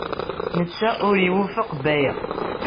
Netta ur iwufeq Baya.